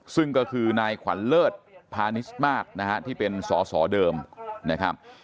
ซึ่งก็คือนายขวัญเลิศพานิสมาสนะฮะที่เป็นสอสอเดิมนะครับ